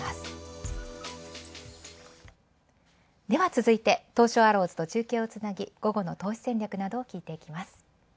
では続いて東証アローズと中継をつなぎ、午後の投資戦略などを聞いていきます。